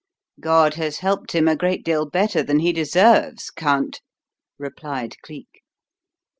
"God has helped him a great deal better than he deserves, Count," replied Cleek.